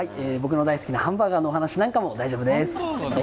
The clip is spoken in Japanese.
僕の大好きなハンバーガーの話なんかも大丈夫です。